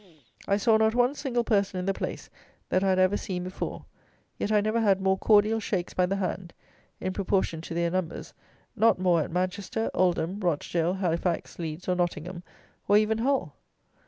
I saw not one single person in the place that I had ever seen before; yet I never had more cordial shakes by the hand; in proportion to their numbers, not more at Manchester, Oldham, Rochdale, Halifax, Leeds, or Nottingham, or even Hull.